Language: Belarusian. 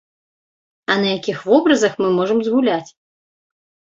А на якіх вобразах мы можам згуляць?